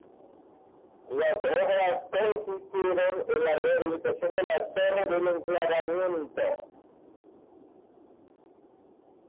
Las obras consistieron en la rehabilitación de la Torre del enclavamiento.